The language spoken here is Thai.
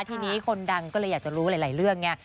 ทีนี้คนดังก็เลยอยากจะรู้หลายเรื่องไง